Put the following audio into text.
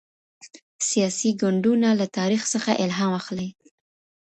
سياسي ګوندونه له تاريخ څخه الهام اخلي.